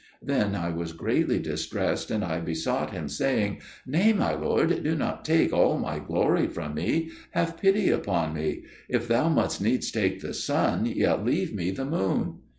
Then I was greatly distressed, and I besought him, saying, 'Nay, my lord, do not take all my glory from me; have pity upon me; if thou must needs take the sun, yet leave me the moon.'